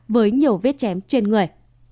với nhiều vết chém trên người